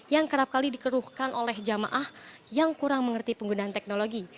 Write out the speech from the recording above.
yang kerap kali dikeruhkan oleh jamaah yang kurang mengerti penggunaan teknologi